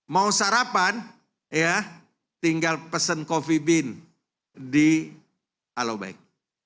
mau sarapan ya tinggal pesen coffee bean di alo bank